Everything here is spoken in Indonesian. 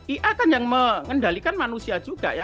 ia kan yang mengendalikan manusia juga ya